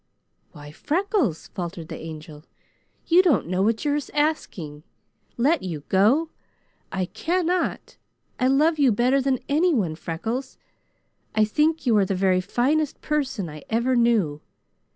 "Why Freckles!" faltered the Angel. "You don't know what you are asking. 'Let you go!' I cannot! I love you better than anyone, Freckles. I think you are the very finest person I ever knew.